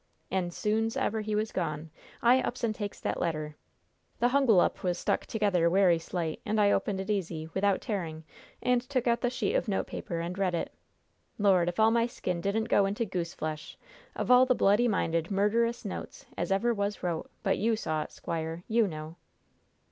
And soon's ever he was gone, I ups and takes that letter. The hungwallop was stuck together werry slight, and I opened it easy, without tearing, and took out the sheet of note paper, and read it. Lord, if all my skin didn't go into goose flesh! Of all the bloody minded, murderous notes as ever was wrote. But you saw it, squire. You know!"